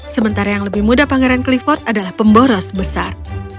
sementara yang lebih muda pangeran clifford adalah pemboros besar